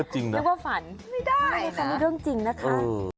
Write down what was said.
จริงนะไม่ได้นะไม่ได้ค่ะนี่เรื่องจริงนะคะ